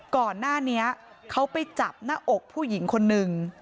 ก่อนหน้านี้เขาไปจับหน้าอกผู้หญิงคนหนึ่ง